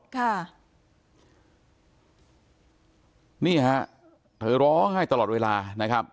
ค่ะนี่ฮะเธอร้องไห้ตลอดเวลานะครับ